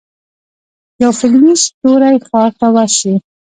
یو فلمي ستوری ښار ته ورشي.